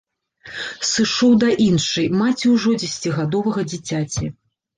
Сышоў да іншай, маці ўжо дзесяцігадовага дзіцяці.